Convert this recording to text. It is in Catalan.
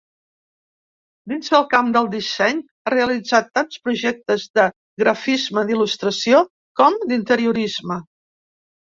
Dins del camp del disseny ha realitzat tant projectes de grafisme, d'il·lustració com d'interiorisme.